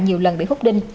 nhiều lần bị hút đinh